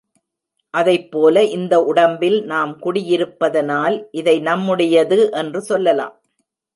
அதைப் போல இந்த உடம்பில் நாம் குடியிருப்பதனால் இதை நம்முடையது என்று சொல்லலாம்.